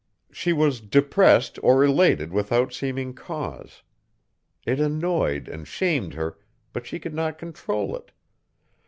She was depressed or elated without seeming cause. It annoyed and shamed her, but she could not control it.